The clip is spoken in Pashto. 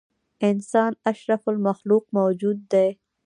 انسان اشرف المخلوق موجود دی.